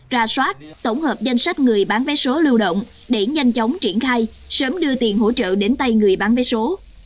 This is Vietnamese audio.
ra soát tổng hợp danh sách người bán vé số lưu động để nhanh chóng triển khai sớm đưa tiền hỗ trợ đến tay người bán vé số